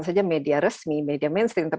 hanya masalah naruh semua orang dan syarat nyarek